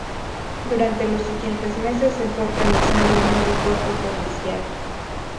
Durante los siguientes meses se fue organizando el nuevo cuerpo policial.